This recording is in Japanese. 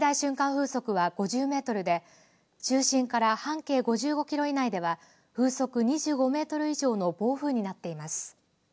風速は５０メートルで中心から半径５５キロ以内では風速２５メートル以上の暴風になっています。